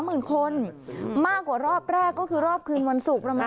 ๓เสน๓หมื่นคนมากลัวรอบแรกแล้วก็คือรอบคืนวันศูก